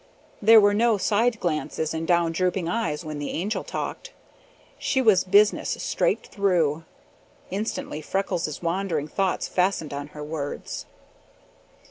There were no side glances and down drooping eyes when the Angel talked; she was business straight through. Instantly Freckles' wandering thoughts fastened on her words.